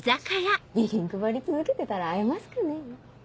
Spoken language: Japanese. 備品配り続けてたら会えますかね？